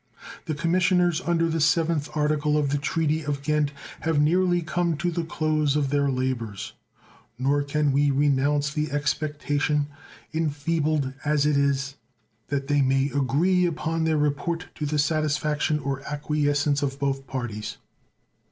The commissioners under the 7th article of the treaty of Ghent have nearly come to the close of their labors; nor can we renounce the expectation, enfeebled as it is, that they may agree upon their report to the satisfaction or acquiescence of both parties.